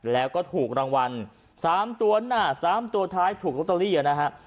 แล้วก็ถูกรางวัล๓ตัวหน้า๓ตัวท้ายถูกลอตเตอรี่นะฮะ